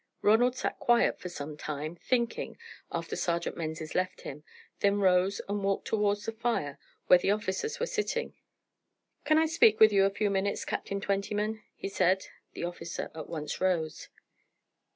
Ronald sat quiet for some time thinking after Sergeant Menzies left him, then rose and walked towards the fire where the officers were sitting. "Can I speak with you a few minutes, Captain Twentyman?" he said. The officer at once rose.